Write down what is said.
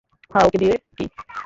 হ্যাঁ, ওকে দিয়ে কী?